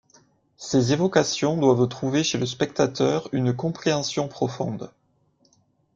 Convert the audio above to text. Ces évocations doivent trouver chez le spectateur une compréhension profonde.